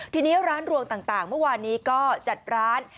ทีนี้ร้านรวงต่างเมื่อวานนี้ก็จัดร้าน